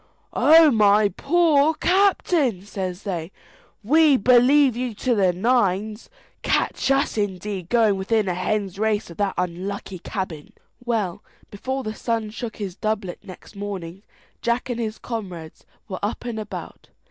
"Oh, my poor captain," says they, "we believe you to the nines. Catch us, indeed, going within a hen's race of that unlucky cabin!" Well, before the sun shook his doublet next morning, Jack and his comrades were up and about.